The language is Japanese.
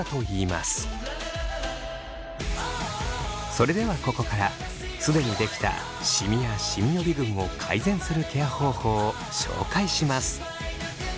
それではここから既にできたシミやシミ予備軍を改善するケア方法を紹介します。